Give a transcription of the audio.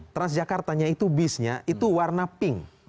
transjakartanya itu bisnya itu warna pink